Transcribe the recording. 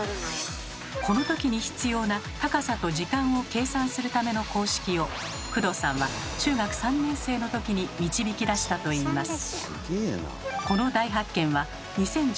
この時に必要な高さと時間を計算するための公式を工藤さんは中学３年生のときに導き出したといいます。